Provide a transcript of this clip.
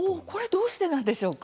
どうしてなんでしょうか。